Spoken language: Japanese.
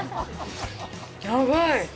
やばい。